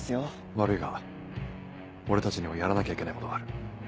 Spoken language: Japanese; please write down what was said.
悪いが俺たちにはやらなきゃいけないことがある。